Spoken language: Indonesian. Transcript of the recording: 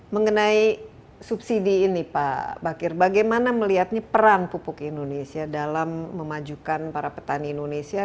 mengenai subsidi ini pak bakir bagaimana melihatnya peran pupuk indonesia dalam memajukan para petani indonesia